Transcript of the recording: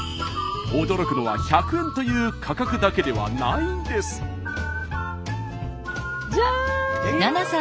驚くのは１００円という価格だけではないんです。じゃん！